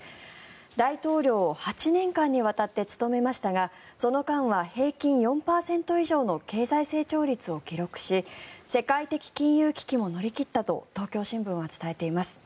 大統領を８年間にわたって務めましたがその間は平均４％以上の経済成長率を記録し世界的金融危機も乗り切ったと東京新聞は伝えています。